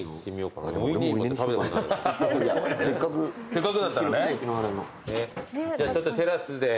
せっかくだったらね。